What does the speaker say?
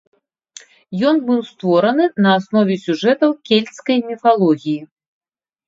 Ён быў створаны на аснове сюжэтаў кельцкай міфалогіі.